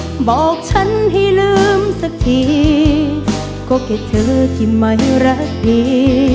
ก็บอกฉันให้ลืมสักทีก็แค่เธอที่ไม่รักดี